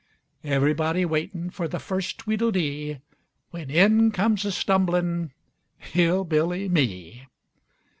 Everybody waitin' for the first tweedle dee, When in comes a stumblin' hill billy me!